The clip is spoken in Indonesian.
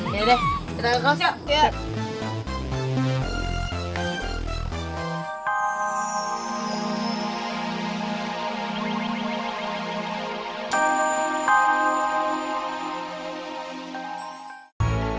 hayo deh serasz lamborghini yuk